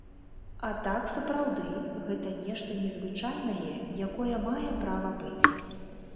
А так, сапраўды, гэта нешта незвычайнае, якое мае права быць.